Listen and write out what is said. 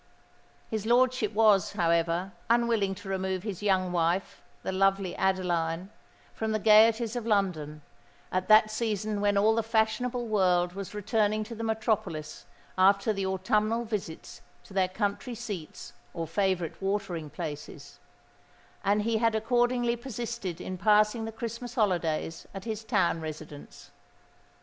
His lordship was, however, unwilling to remove his young wife—the lovely Adeline—from the gaieties of London, at that season when all the fashionable world was returning to the metropolis after the autumnal visits to their country seats or favourite watering places; and he had accordingly persisted in passing the Christmas holidays at his town residence.